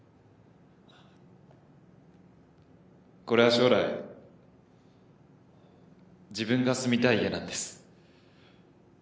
これは将来自分が住みたい家なんです。